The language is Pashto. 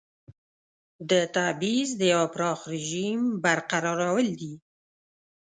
د تبعیض د یوه پراخ رژیم برقرارول دي.